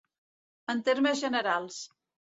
En termes generals.